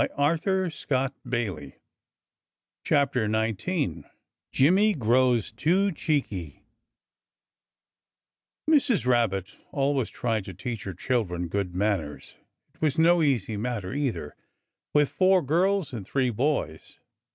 [Illustration: 19 Jimmy Grows Too Cheeky] 19 Jimmy Grows Too Cheeky Mrs. Rabbit always tried to teach her children good manners. It was no easy matter, either, with four girls and three boys.